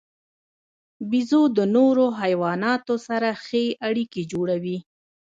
بیزو د نورو حیواناتو سره ښې اړیکې جوړوي.